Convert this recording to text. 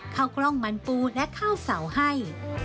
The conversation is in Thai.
ข้าวกล้องมันปูและข้าวเสาให้